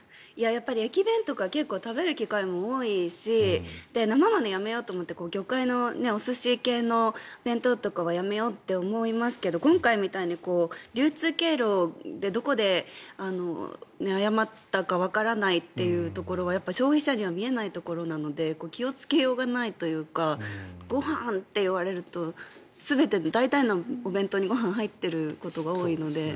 駅弁とか結構食べる機会も多いし生ものをやめようと思って魚介のお寿司系の弁当とかはやめようって思いますけど今回みたいに流通経路でどこで誤ったかわからないというところはやっぱり消費者には見えないところなので気をつけようがないというかご飯と言われると全て大体のお弁当にご飯入っていることが多いので。